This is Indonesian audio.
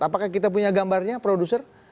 apakah kita punya gambarnya produser